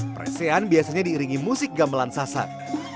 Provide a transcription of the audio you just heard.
presian biasanya diiringi musik gamelan sasar